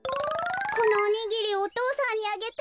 このおにぎりお父さんにあげて。